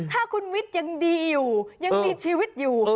ถ้าคุณวิทย์ยังดีอยู่ยังมีชีวิตอยู่